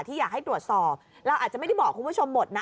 อยากให้ตรวจสอบเราอาจจะไม่ได้บอกคุณผู้ชมหมดนะ